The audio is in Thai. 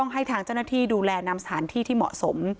ให้ทางเจ้าหน้าที่ดูแลนำสถานที่ที่เหมาะสม